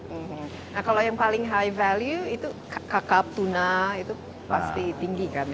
nah kalau yang paling high value itu kakap tuna itu pasti tinggi kan